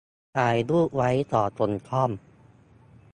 ถ่ายรูปไว้ก่อนส่งซ่อม